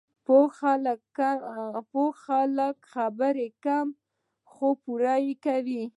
پوه خلک خبرې کمې، خو پوره کوي.